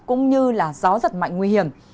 cũng như là gió rất mạnh nguy hiểm